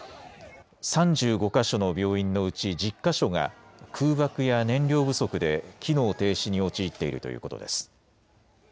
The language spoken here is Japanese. ３５か所の病院のうち１０か所が空爆や燃料不足で機能停止に陥っているということです。